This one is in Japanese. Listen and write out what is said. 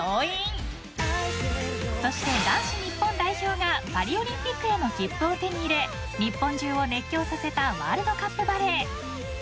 ［そして男子日本代表がパリオリンピックへの切符を手に入れ日本中を熱狂させた］